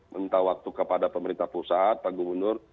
minta waktu kepada pemerintah pusat pak gubernur